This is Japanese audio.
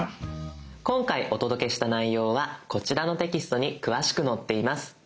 今回お届けした内容はこちらのテキストに詳しく載っています。